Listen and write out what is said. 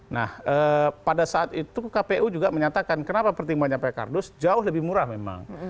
nah pada saat itu kpu juga menyatakan kenapa pertimbangannya pak kardus jauh lebih murah memang